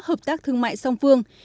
hợp tác thương mại song phương